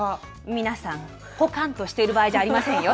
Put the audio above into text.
皆さん、ほかんとしている場合じゃありませんよ。